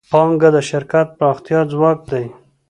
پانګه د شرکت د پراختیا ځواک دی.